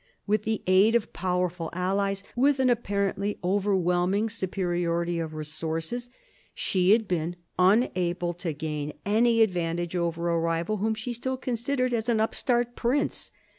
With the aid of powerful allies, with an apparently overwhelming superiority of resources, she had been unable to gain any advantage over a rival whom she still considered as an upstart prince.